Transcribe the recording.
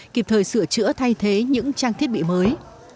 kịp thời sửa chữa thay thế những trang thiết bị mới